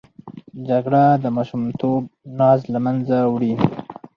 جګړه د ماشومتوب ناز له منځه وړي